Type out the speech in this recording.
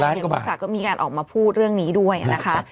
คุณอุตสาก็มีการออกมาพูดเรื่องนี้ด้วยนะคะ